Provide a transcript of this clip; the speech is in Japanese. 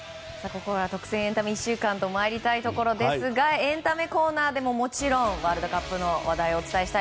ここから特選エンタメ１週間といきたいところですがエンタメコーナーでももちろんワールドカップの話題をお伝えします。